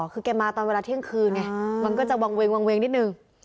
คือแกมาตอนเวลาเที่ยงคืนไงมันก็จะวางเวงวางเวงนิดนึง